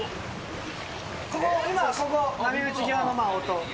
ここ今ここ波打ち際の音。